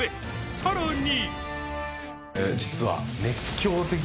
さらに。